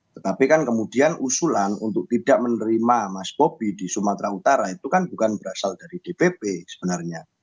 tetapi kan kemudian usulan untuk tidak menerima mas bobi di sumatera utara itu kan bukan berasal dari dpp sebenarnya